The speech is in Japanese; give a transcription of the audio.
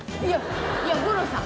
いや五郎さん